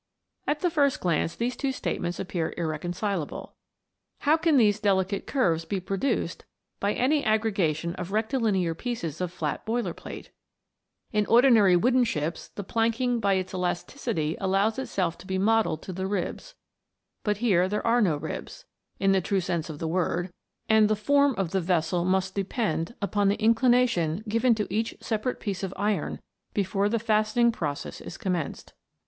At the first glance these two statements appear irreconcilable. How can these delicate curves be produced by any aggregation of rectilinear pieces of flat boiler plate 1 In ordinary wooden ships the planking by its elasticity allows itself to be modelled to the ribs ; but here there are no ribs, in the true sense of the word, and the form of the vessel must depend upon the inclination given to each separate piece of iron before the fastening process is com menced.